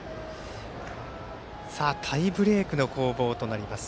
タイブレークの攻防となります。